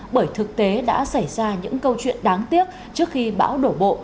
bởi thực tế đã xảy ra những câu chuyện đáng tiếc trước khi bão đổ bộ